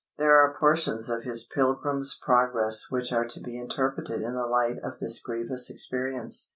There are portions of his "Pilgrim's Progress" which are to be interpreted in the light of this grievous experience.